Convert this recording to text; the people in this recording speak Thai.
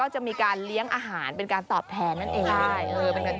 จะมีการเลี้ยงอาหารเป็นการตอบแทนนั่นเอง